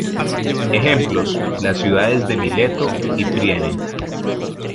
Ejemplos: las ciudades de Mileto y Priene.